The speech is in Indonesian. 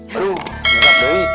aduh make up doi